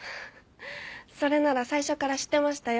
それなら最初から知ってましたよ。